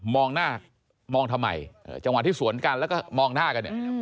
หน้ามองทำไมจังหวะที่สวนกันแล้วก็มองหน้ากันเนี่ย